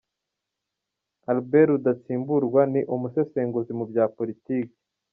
Albert Rudatsimburwa , ni Umusesenguzi mu bya politiki.